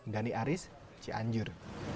dhani aris cianjur